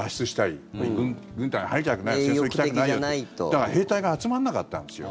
だから兵隊が集まらなかったんですよ。